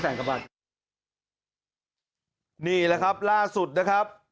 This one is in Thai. ๕แสนกว่าบาทนี่แหละครับล่าสุดนะครับ